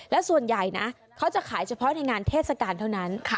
และส่วนใหญ่นะเขาจะขายเฉพาะในงานเทศกาลเท่านั้น